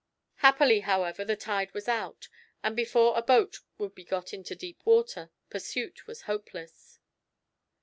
Happily, however, the tide was out, and before a boat would be got into deep water, pursuit was hopeless.